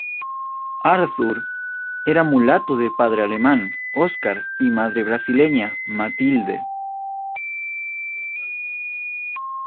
Arthur era mulato de padre alemán, Oscar y madre brasileña, Matilde.